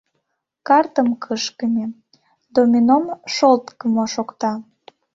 Картым кышкыме, домином шолткымо шокта.